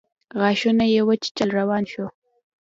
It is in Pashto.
غاښونه يې وچيچل روان شو.